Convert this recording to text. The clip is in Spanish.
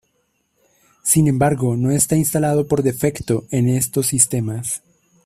Sin embargo, no está instalado por defecto en estos sistemas.